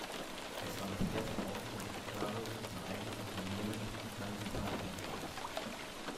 Es war das erste Auto, das Giugiaro für sein eigenes Unternehmen Ital Design entwarf.